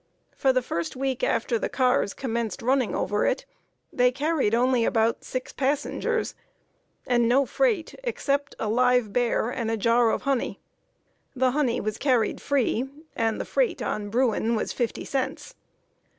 For the first week after the cars commenced running over it, they carried only about six passengers, and no freight except a live bear and a jar of honey. The honey was carried free, and the freight on Bruin was fifty cents.